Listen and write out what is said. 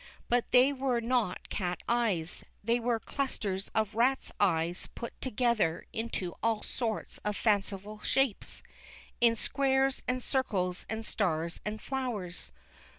But they w^ere not cats' eyes ; they were clus ters of rats' eyes put together into all sorts of fanciful shapes — in squares and circles and stars and flowers.